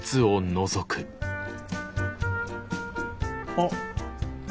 あっ。